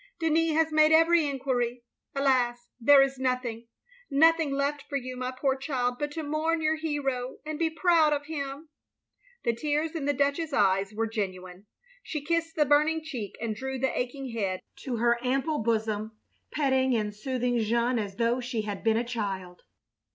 Denis has made every enquiry. Alas, there is nothing. Nothing left for you, my poor child, but to mourn your hero, and be proud of him. " The tears in the Duchess' eyes were genuine. She kissed the burning cheek, and drew the aching head on to her ample bosom, petting and soothing Jeanne as though she had been a child.